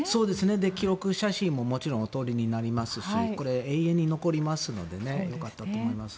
記録写真ももちろんお撮りになりますしこれ、永遠に残りますのでよかったと思います。